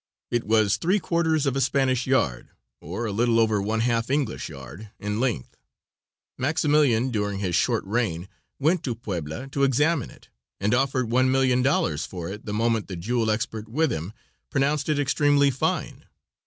It was three quarters of a Spanish yard, or a little over one half English yard, in length. Maximilian, during his short reign, went to Puebla to examine it, and offered $1,000,000 for it the moment the jewel expert with him pronounced it extremely fine.